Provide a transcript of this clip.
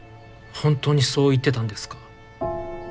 本当にそう言ってたんですか？